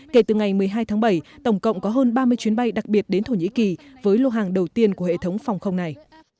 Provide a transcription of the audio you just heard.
kể từ ngày một mươi hai tháng bảy tổng cộng có hơn ba mươi chuyến bay đặc biệt đến thổ nhĩ kỳ với lô hàng đầu tiên của hệ thống phòng không này